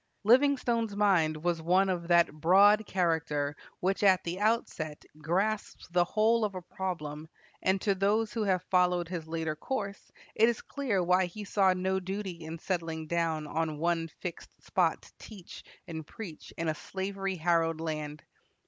Livingstone's mind was one of that broad character which at the outset grasps the whole of a problem, and to those who have followed his later course it is clear why he saw no duty in settling down on one fixed spot to teach and preach in a slavery harrowed land.